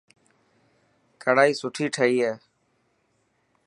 ڪڙائي سوٺي ٺهي هي.